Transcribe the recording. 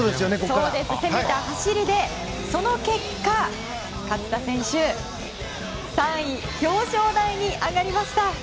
そうです、攻めた走りでその結果勝田選手、３位表彰台に上がりました。